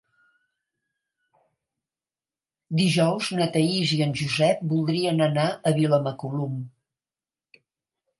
Dijous na Thaís i en Josep voldrien anar a Vilamacolum.